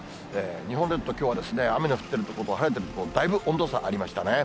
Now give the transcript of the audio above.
日本列島、きょうは雨の降っている所と晴れてる所、だいぶ温度差ありましたね。